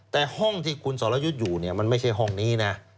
แต่ห้องที่คุณสรยุทธ์อยู่เนี่ยมันไม่ใช่ห้องนี้นะ